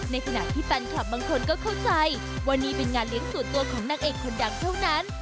ในขณะที่แฟนคลับบางคนก็เข้าใจว่านี่เป็นงานเลี้ยงส่วนตัวของนางเอกคนดังเท่านั้น